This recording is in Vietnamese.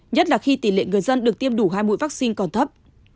nhất là khi tỷ lệ người dân được tiêm đủ hai mũi vaccine còn thấp